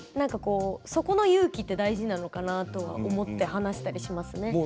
その勇気って大事なのかなと思って話したりしますね。